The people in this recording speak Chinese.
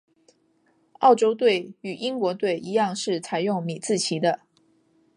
澳洲队与英国队一样是采用米字旗的。